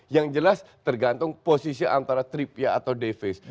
yang jelas tergantung posisi antara trippia atau davies